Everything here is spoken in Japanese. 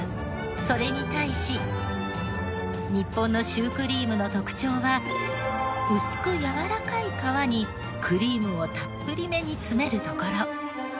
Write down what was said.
それに対し日本のシュークリームの特徴は薄くやわらかい皮にクリームをたっぷりめに詰めるところ。